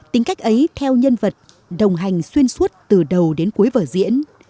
tính cách ấy theo nhân vật đồng hành xuyên suốt từ đầu đến cuối vở diễn